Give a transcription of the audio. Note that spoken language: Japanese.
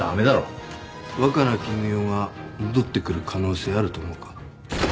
若菜絹代が戻ってくる可能性あると思うか？